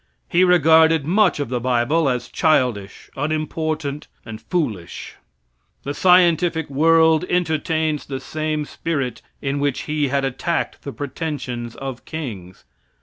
He regarded much of the bible as childish, unimportant and foolish. The scientific world entertains the same spirit in which he had attacked the pretensions of kings.